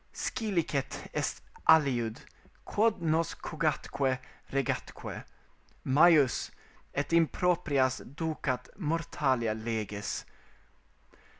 Scilicet est aliud, quod nos cogatque regatque Majus, et in proprias ducat mortalia leges."